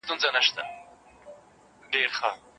اوبه څښل د بدن توازن ساتي.